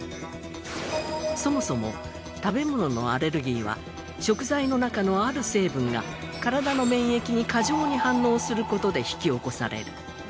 そもそも食べ物のアレルギーは食材の中のある成分が体の免疫に過剰に反応する事で引き起こされる。